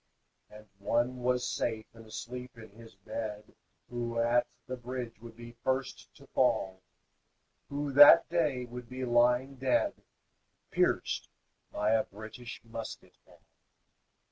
And one was safe and asleep in his bed Who at the bridge would be first to fall, Who that day would be lying dead, Pierced by a British musket ball.